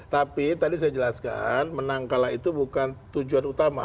tapi tadi saya jelaskan menang kalah itu bukan tujuan utama